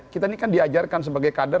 kita ini kan diajarkan sebagai kader